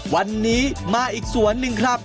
วันนี้มาอีกสวนหนึ่งครับ